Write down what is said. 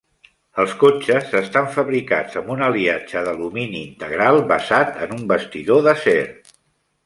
Els cotxes estan fabricats amb un aliatge d'alumini integral basat en un bastidor d'acer.